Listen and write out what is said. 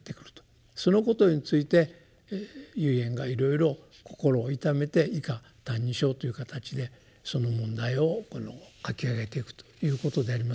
そのことについて唯円がいろいろ心を痛めて以下「歎異抄」という形でその問題を書き上げていくということでありますから。